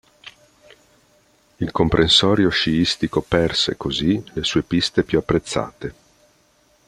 Il comprensorio sciistico perse, così, le sue piste più apprezzate.